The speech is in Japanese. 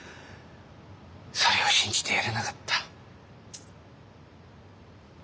それを信じてやれなかった。